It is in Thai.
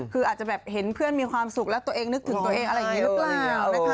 คืออาจจะแบบเห็นเพื่อนมีความสุขแล้วตัวเองนึกถึงตัวเองอะไรอย่างนี้หรือเปล่านะคะ